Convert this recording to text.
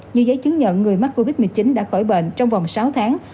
như giấy chứng nhận người mắc covid một mươi chín đã khỏi bệnh trong vòng sáu tháng